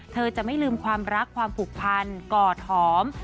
เธอจะไม่ลืมความรักความผูกพันกอดหอม